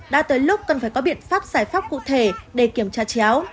đã tới lúc cần phải có biện pháp giải pháp cụ thể để kiểm tra chéo